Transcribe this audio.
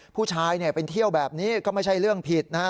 ผู้ชายเป็นเที่ยวแบบนี้ก็ไม่ใช่เรื่องผิดนะฮะ